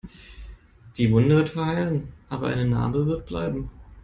Die Wunde wird verheilen, aber eine Narbe wird bleiben.